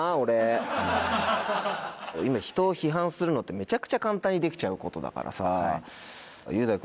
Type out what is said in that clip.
今人を批判するのってめちゃくちゃ簡単にできちゃうことだからさ。